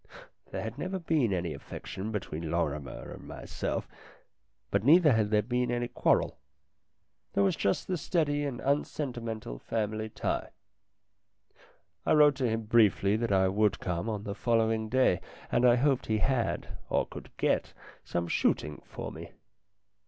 There had never been any affection between Lorrimer and myself, but neither had there been any quarrel ; there was just the steady and unsentimental family tie. I wrote to him LINDA 275 briefly that I would come on the following day, and I hoped he had, or could get, some shooting for me.